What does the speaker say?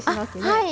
はい。